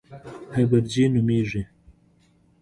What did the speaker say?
هایپرجي نومېږي.